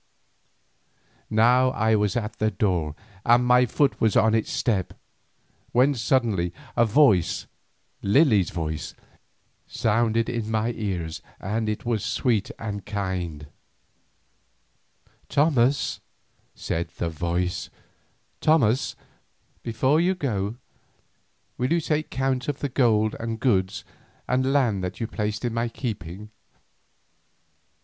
Now I was at the door and my foot was on its step, when suddenly a voice, Lily's voice, sounded in my ears and it was sweet and kind. "Thomas," said the voice, "Thomas, before you go, will you not take count of the gold and goods and land that you placed in my keeping?"